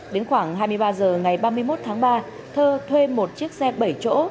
đến khoảng hai mươi ba h ngày ba mươi một tháng ba thơ thuê một chiếc xe bảy chỗ